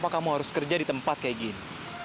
kamu harus kerja di tempat kayak gini